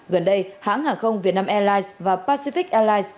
gần đây hãng hàng không việt nam airlines và pacific airlines